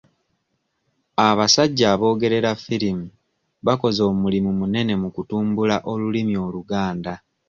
Abasajja aboogerera firimu bakoze omulimu munene mu kutumbula olulimi Oluganda.